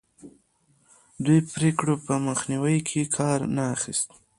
دوی د پرېکړو په مخنیوي کې کار نه اخیست.